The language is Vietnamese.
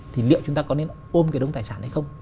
thì liệu chúng ta có nên ôm cái đống tài sản hay không